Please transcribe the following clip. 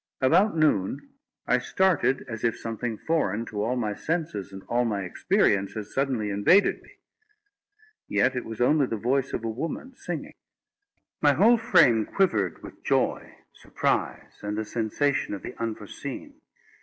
About noon, I started as if something foreign to all my senses and all my experience, had suddenly invaded me; yet it was only the voice of a woman singing. My whole frame quivered with joy, surprise, and the sensation of the unforeseen.